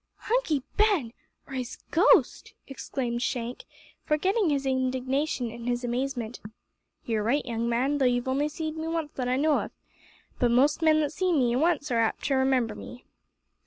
"Hunky Ben, or his ghost!" exclaimed Shank, forgetting his indignation in his amazement. "You're right, young man, though you've only see'd me once that I know of. But most men that see me once are apt to remember me."